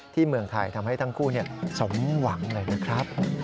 เมืองไทยทำให้ทั้งคู่สมหวังเลยนะครับ